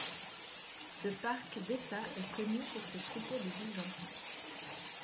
Ce parc d'État est connu pour ses troupeaux de bisons.